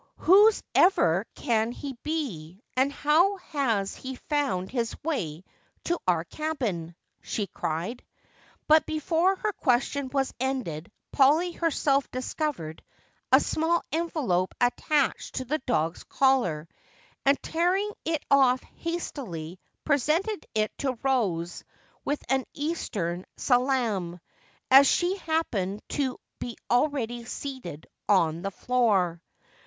"Whose ever can he be and how has he found his way to our cabin?" she cried, but before her question was ended Polly herself discovered a small envelope attached to the dog's collar and tearing it off hastily presented it to Rose with an eastern salaam, as she happened to be already seated on the floor.